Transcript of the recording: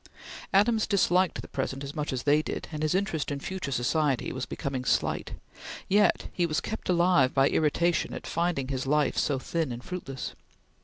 Adams disliked the present as much as they did, and his interest in future society was becoming slight, yet he was kept alive by irritation at finding his life so thin and fruitless.